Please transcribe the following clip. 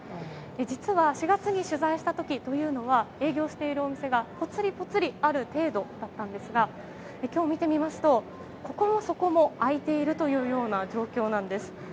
実は、４月に取材した時は営業しているお店がぽつりぽつりある程度だったんですが今日、見てみますとここも、そこも開いているというような状況なんです。